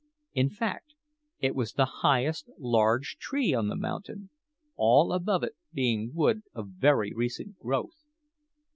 In fact, it was the highest large tree on the mountain, all above it being wood of very recent growth.